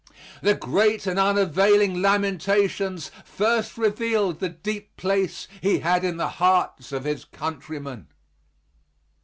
The great and unavailing lamentations first revealed the deep place he had in the hearts of his countrymen.